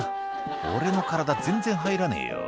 「俺の体全然入らねえよ」